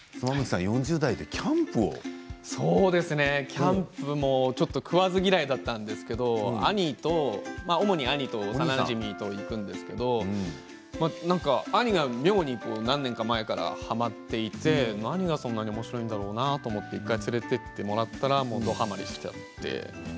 キャンプ食わず嫌いだったんですけど主に兄と幼なじみと行くんですけれど兄が妙に何年か前からはまっていて何がそんなにおもしろいんだろうなと思って１回連れて行ってもらったらどはまりしちゃって。